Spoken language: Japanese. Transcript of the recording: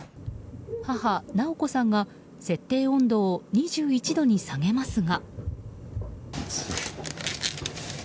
母・直子さんが設定温度を２１度に下げますが。